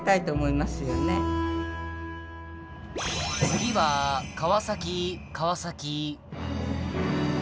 「次は川崎川崎」。